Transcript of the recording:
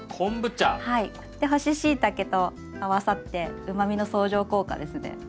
で干ししいたけと合わさってうまみの相乗効果ですね。